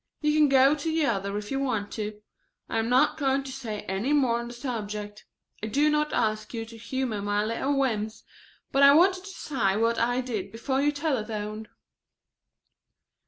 "You can go to the other if you want to. I am not going to say any more on the subject. I do not ask you to humor my little whims, but I wanted to say what I did before you telephoned."